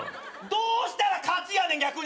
どうしたら勝ちやねん逆に。